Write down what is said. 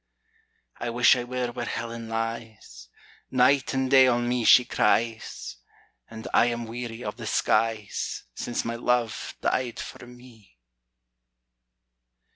I wish I were where Helen lies; Night and day on me she cries; And I am weary of the skies, Since my Love died for me.